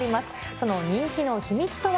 その人気の秘密とは？